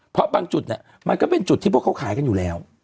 เพราะบางจุดเนี่ยมันก็เป็นจุดที่พวกเขาขายกันอยู่แล้ว